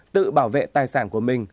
tự bảo vệ tài sản của mình